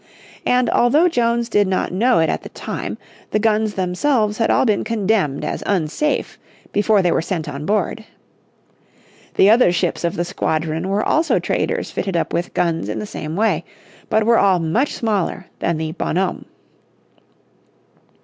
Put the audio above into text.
And, although, Jones did not know it at the time, the guns themselves had all been condemned as unsafe before they were sent on board. The other ships of the squadron were also traders fitted up with guns in the same way, but were all much smaller than the Bonhomme.